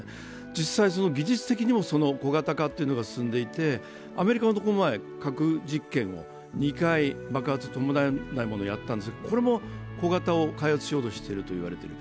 実際、技術的にも小型化が進んでいて、アメリカはこの前、核実験、爆発を伴わないものを２回やったんですけどこれも小型を開発しようとしているといわれている。